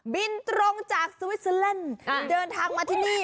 บินตรงจากสวิสเซอร์แลนด์เดินทางมาที่นี่